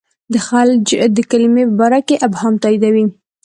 د خلج د کلمې په باره کې ابهام تاییدوي.